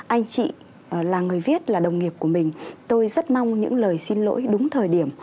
anh chị là người viết là đồng nghiệp của mình tôi rất mong những lời xin lỗi đúng thời điểm